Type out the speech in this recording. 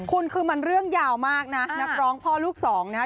คุณคือมันเรื่องยาวมากนะนักร้องพ่อลูกสองนะฮะ